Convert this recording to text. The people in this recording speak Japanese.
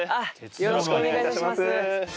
よろしくお願いします。